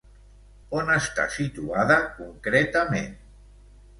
On està situada concretament?